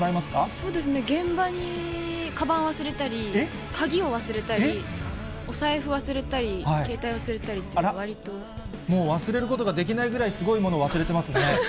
そうですね、現場にかばん忘れたり、鍵を忘れたり、お財布忘れたり、携帯忘れたりっていうの、もう忘れることができないぐらいすごいもの忘れてますね。